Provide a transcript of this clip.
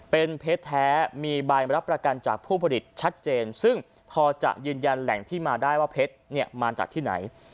เป็นเพชรแท้มีใบรับประกันจากผู้ผลิตชัดเจนซึ่งพอจะยืนยันแหล่งที่มาได้ว่าเพชรมาจากที่ไหน